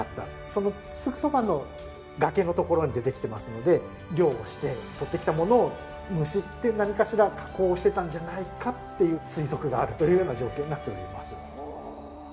そのすぐそばの崖の所に出てきてますので漁をして採ってきたものをむしって何かしら加工してたんじゃないかっていう推測があるというような状況になっております。